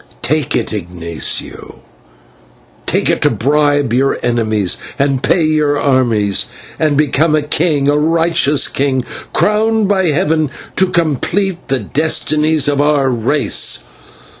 Take it, Ignatio, take it to bribe your enemies and pay your armies, and become a king, a righteous king, crowned by heaven to complete the destinies of our race.